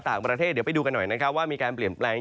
ต่างประเทศเดี๋ยวไปดูกันหน่อยนะครับว่ามีการเปลี่ยนแปลง